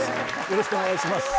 よろしくお願いします。